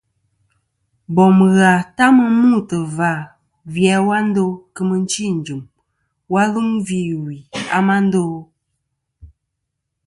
Bòm ghà ta mɨ n-mûtɨ̀ vâ, gvi a wa ndo kɨ̀ mɨchi ɨ̀n jɨ̀m, wa lum gvî wì a ma ndo a?